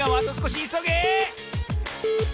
いそげ！